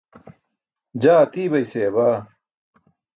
Jaa atiibay seya baa.